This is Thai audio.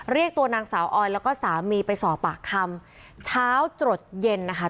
เรียกตัวนางสาวออยแล้วก็สามีไปสอบปากคำเช้าจดเย็นนะคะ